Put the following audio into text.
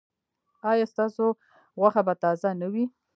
ایا ستاسو غوښه به تازه نه وي؟